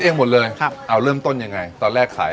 หมดเลยครับเอาเริ่มต้นยังไงตอนแรกขาย